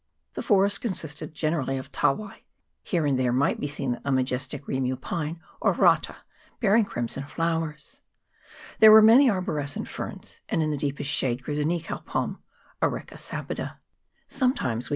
The forest consisted generally of tawai ; here and there might be seen a majestic Rimu pine, or rata, bearing crimson flowers. There were many arborescent ferns, and in the deepest shade grew the Nikau palm (Areca sapida). Sometimes we came CHAP. VII.